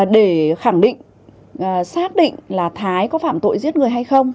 để khẳng định xác định là thái có phạm tội giết người hay không